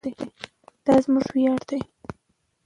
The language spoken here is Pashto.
دا زموږ ویاړ دی.